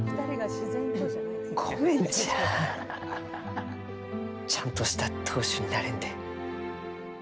ごめんちやちゃんとした当主になれんで。